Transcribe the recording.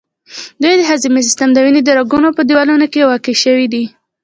دوی د هضمي سیستم، د وینې د رګونو په دیوالونو کې واقع شوي دي.